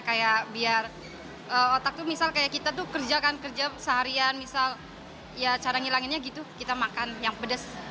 kayak biar otak tuh misal kayak kita tuh kerjakan kerja seharian misal ya cara ngilanginnya gitu kita makan yang pedes